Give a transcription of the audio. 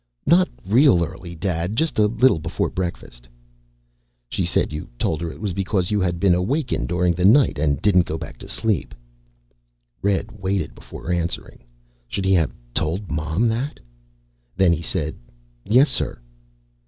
"Not real early, Dad. Just a little before breakfast." "She said you told her it was because you had been awakened during the night and didn't go back to sleep." Red waited before answering. Should he have told Mom that? Then he said, "Yes, sir."